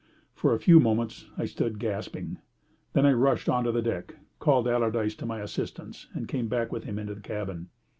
For a few moments I stood gasping. Then I rushed on to the deck, called Allardyce to my assistance, and came back with him into the cabin.